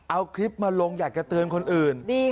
เอาคลิปมาลงอยากจะเตือนคนอื่น